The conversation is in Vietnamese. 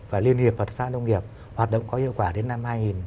và liên hiệp hợp tác xã nông nghiệp hoạt động có hiệu quả đến năm hai nghìn hai mươi